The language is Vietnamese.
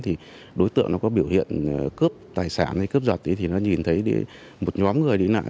thì đối tượng có biểu hiện cướp tài sản cướp giật thì nhìn thấy một nhóm người đi lại